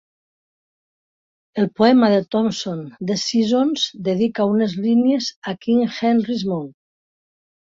El poema de Thomson "The Seasons" dedica unes línies al King Henry's Mound.